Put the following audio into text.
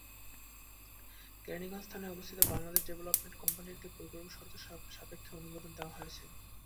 কেরানীগঞ্জ থানায় অবস্থিত বাংলাদেশ ডেভেলপমেন্ট কোম্পানির একটি প্রকল্প শর্ত সাপেক্ষে অনুমোদন দেওয়া হয়েছে।